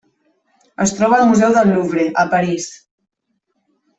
Es troba al museu del Louvre, a París.